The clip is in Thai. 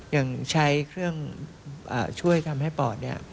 อย่างใช้เครื่องช่วยทำให้ปอดเนี่ย